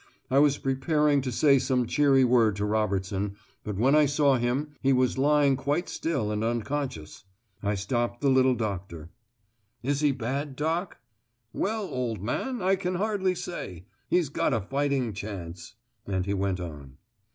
I was preparing to say some cheery word to Robertson, but when I saw him he was lying quite still and unconscious. I stopped the little doctor. "Is he bad, Doc?" "Well, old man, I can hardly say. He's got a fighting chance," and he went on.